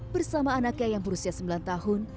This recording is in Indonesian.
bersama anaknya yang berusia sembilan tahun